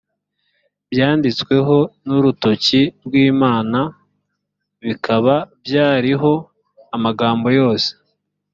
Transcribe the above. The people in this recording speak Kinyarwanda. byanditsweho n’urutoki rw’imana, bikaba byariho amagambo yose